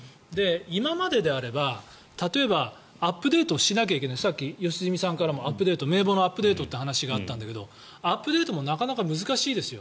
今までであれば例えばアップデートしなきゃいけないさっき良純さんからも名簿のアップデートという話があったんだけどアップデートもなかなか難しいですよ。